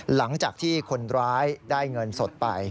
หลังจากที่คนร้ายได้เงินสดไป